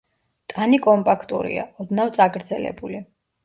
ტანი კომპაქტურია, ოდნავ წაგრძელებული.